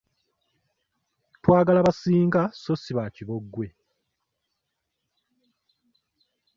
Twagala basinga so si ba kibogwe.